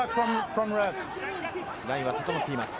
ラインは整っています。